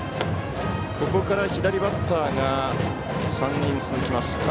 ここから左バッターが３人続きます。